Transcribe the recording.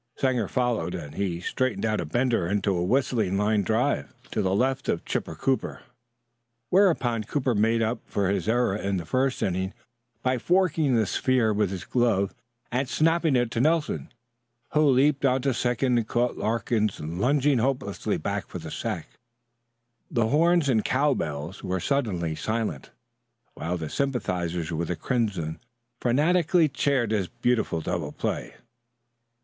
Sanger followed, and he straightened out a bender into a whistling line drive to the left of Chipper Cooper; whereupon Cooper made up for his error in the first inning by forking the sphere with his gloved hand and snapping it to Nelson, who leaped on to second and caught Larkins lunging hopelessly back for the sack. The horns and cowbells were suddenly silent, while the sympathizers with the crimson frantically cheered this beautiful double play.